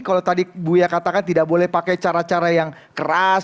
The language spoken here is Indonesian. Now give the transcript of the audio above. kalau tadi bu ya katakan tidak boleh pakai cara cara yang keras